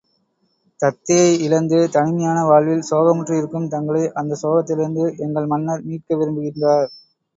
தத்தையை இழந்து தனிமையான வாழ்வில் சோகமுற்றிருக்கும் தங்களை அந்தச் சோகத்திலிருந்து எங்கள் மன்னர் மீட்க விரும்புகின்றார்.